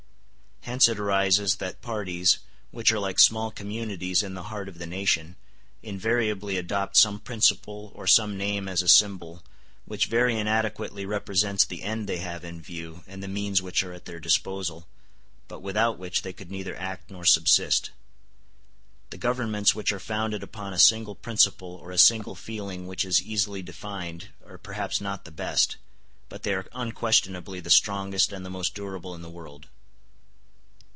Hence it arises that parties, which are like small communities in the heart of the nation, invariably adopt some principle or some name as a symbol, which very inadequately represents the end they have in view and the means which are at their disposal, but without which they could neither act nor subsist. The governments which are founded upon a single principle or a single feeling which is easily defined are perhaps not the best, but they are unquestionably the strongest and the most durable in the world.